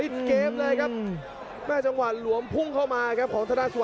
อียที่เราเลือกเข้าไปด้านล่างอกรั่ว